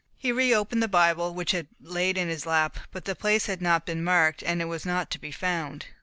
He re opened the Bible, which had been laid in his lap, but the place had not been marked, and was not to be found.